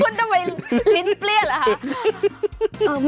คุณทำไมริ๊ดเปรี้ยแล้วฮะ